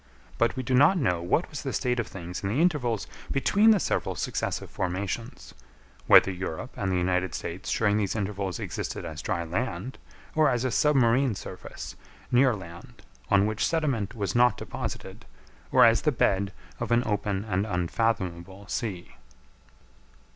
But we do not know what was the state of things in the intervals between the several successive formations; whether Europe and the United States during these intervals existed as dry land, or as a submarine surface near land, on which sediment was not deposited, or as the bed of an open and unfathomable sea.